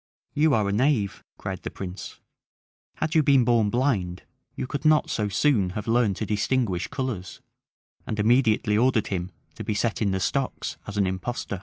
"You are a knave," cried the prince; "had you been born blind, you could not so soon have learned to distinguish colors;" and immediately ordered him to be set in the stocks as an impostor.